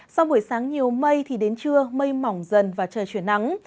sau buổi sáng nhiều mây thì đến trưa mây mỏng dần và trời chuyển nắng